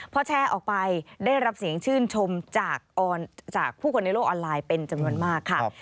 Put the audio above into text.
พอแชร์ออกไปได้รับเสียงชื่นชมจากผู้คนในโลกออนไลน์เป็นจำนวนมากค่ะ